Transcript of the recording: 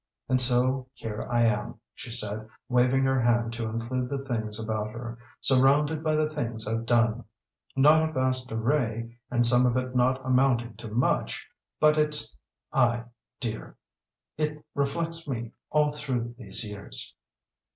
"And so here I am," she said, waving her hand to include the things about her, "surrounded by the things I've done. Not a vast array, and some of it not amounting to much, but it's I, dear. It reflects me all through these years."